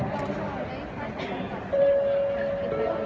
มันเป็นสิ่งที่จะให้ทุกคนรู้สึกว่า